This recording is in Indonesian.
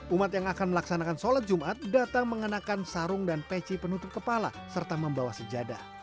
umat yang akan melaksanakan sholat jumat datang mengenakan sarung dan peci penutup kepala serta membawa sejadah